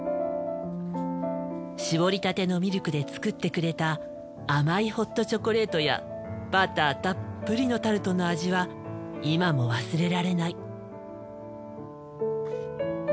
搾りたてのミルクで作ってくれた甘いホットチョコレートやバターたっぷりのタルトの味は今も忘れられない。